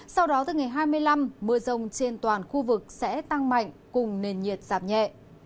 sau đó từ ngày hai mươi năm mưa rông trên toàn khu vực sẽ tăng mạnh cùng nền nhiệt giảm nhẹ